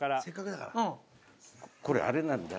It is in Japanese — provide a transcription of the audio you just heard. これあれなんだ。